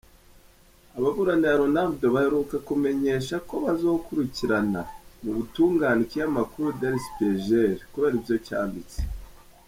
Ababuranira Ronaldo baheruka kumenyesha ko bazokurikirana mu butungane ikinyamakuru Der Spiegel kubera ivyo canditse.